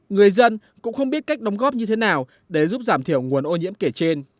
người dân cũng không biết cách đóng góp như thế nào để giúp giảm thiểu nguồn ô nhiễm kể trên